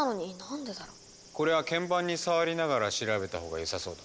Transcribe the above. これは鍵盤に触りながら調べたほうがよさそうだ。